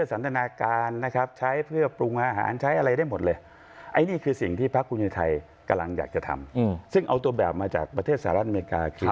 ซึ่งเอาตัวแบบมาจากประเทศสหรัฐอังกฤษคือ